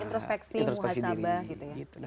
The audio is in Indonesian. introspeksi muhasabah gitu ya